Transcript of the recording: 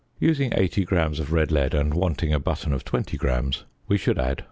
Using 80 grams of red lead and wanting a button of 20 grams, we should add 3.